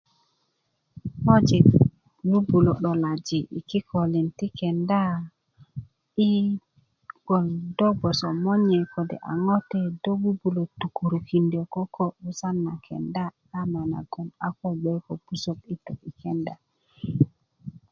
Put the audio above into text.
ŋojik 'bu'bulä 'dolaji kikolin ti kenda i gboŋ dó gboso monye kode a ŋote do 'bu'bulä tukäkinda koko 'busan na kenda na nye nagoŋ a ko gbe ko pusäk i tú i kenda